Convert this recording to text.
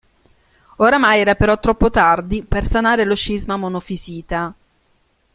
Oramai era però troppo tardi per sanare lo scisma monofisita.